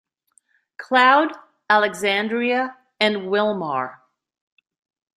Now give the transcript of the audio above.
Cloud, Alexandria, and Willmar.